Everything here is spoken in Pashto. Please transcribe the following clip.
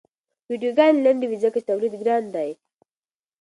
ویډیوګانې لنډې وي ځکه چې تولید ګران دی.